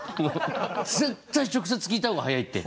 絶対直接聞いた方が早いって！